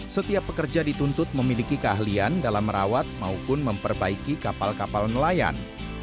setiap pekerja dituntut memiliki keahlian dalam merawat maupun memperbaiki kapal kapal nelayan